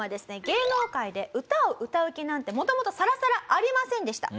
芸能界で歌を歌う気なんてもともとサラサラありませんでした。